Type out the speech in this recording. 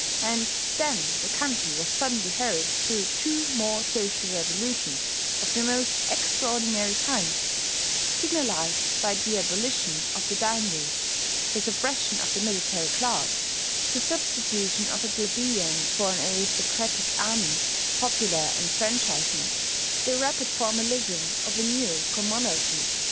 And then the country was suddenly hurried through two more social revolutions of the most extraordinary kind, signalized by the abolition of the daimiates, the suppression of the military class, the substitution of a plebeian for an aristocratic army, popular enfranchisement, the rapid formalism of a new commonalty.